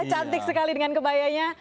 cantik sekali dengan kebayanya